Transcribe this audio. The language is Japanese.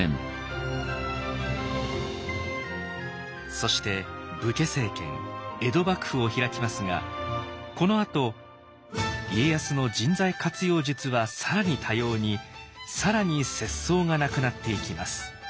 そして武家政権江戸幕府を開きますがこのあと家康の人材活用術は更に多様に更に節操がなくなっていきます。